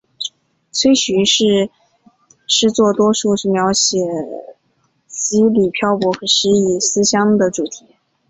崔涂是诗作多数是描写羁旅漂泊和失意思乡的主题。